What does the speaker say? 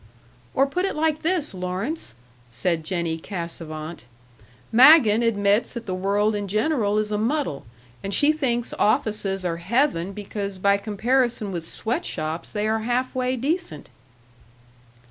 "Or put it like this, Lawrence," said Jennie Cassavant. "Magen admits that the world in general is a muddle, and she thinks offices are heaven because by comparison with sweat shops they are half way decent."